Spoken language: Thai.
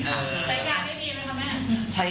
ใช้งานไม่ดีเลยค่ะแม่